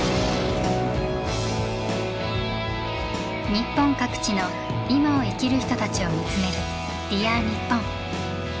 日本各地のいまを生きる人たちを見つめる「Ｄｅａｒにっぽん」。